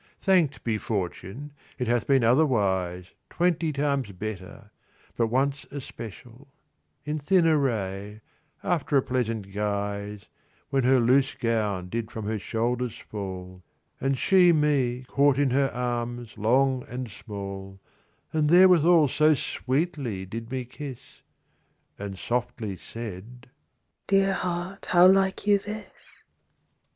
Thanked be fortune, it hath been otherwise Twenty times better; but once especial— In thin array: after a pleasant guise, 10 When her loose gown did from her shoulders fall, And she me caught in her arms long and small, And therewithal so sweetly did me kiss, And softly said, 'Dear heart, how like you this?